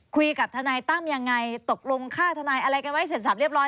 ทนายตั้มยังไงตกลงค่าทนายอะไรกันไว้เสร็จสับเรียบร้อย